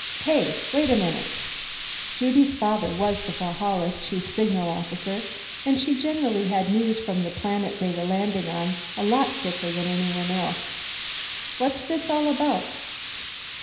"Hey, wait a minute!" Judy's father was the Valhalla's Chief Signal Officer, and she generally had news from a planet they were landing on a lot quicker than anyone else. "What's this all about?"